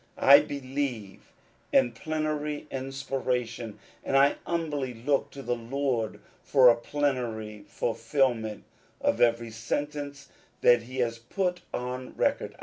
I believe in plenary inspiration, and I humbly look to the Lord for a plenary fulfilment of every sentence that he has put on record.